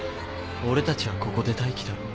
俺たちはここで待機だろ。